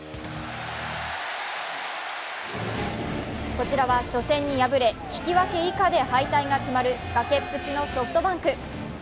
こちらは初戦に敗れ引き分け以下で敗退が決まる崖っぷちのソフトバンク。